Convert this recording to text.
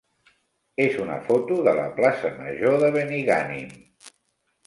és una foto de la plaça major de Benigànim.